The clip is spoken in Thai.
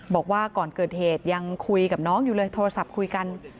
บอกว่าก่อนเกิดเหตุยังคุยกับน้องอยู่เลยโทรศัพท์คุยกัน